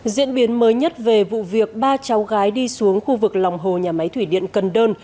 diễn biến mới nhất về vụ việc ba cháu gái đi xuống khu vực lòng hồ nhà máy thủy điện cần đơn